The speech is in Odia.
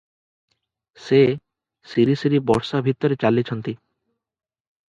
ସେ ସିରିସିରି ବର୍ଷାଭିତରେ ଚାଲିଛନ୍ତି ।